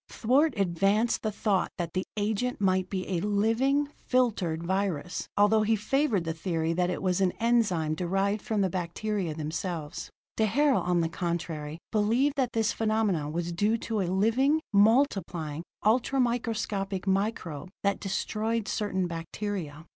Twort advanced the thought that the agent might be a living, filtered virus, although he favored the theory that it was an enzyme derived from the bacteria themselves. D'Herelle, on the contrary, believed that this phenomenon was due to a living, multiplying, ultra microscopic microbe that destroyed certain bacteria.